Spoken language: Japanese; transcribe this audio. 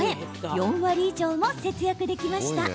４割以上も節約できました。